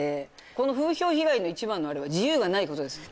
この風評被害の一番のあれは自由がないことですよ。